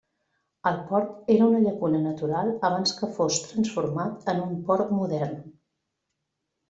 El port era una llacuna natural abans que fos transformat en un port modern.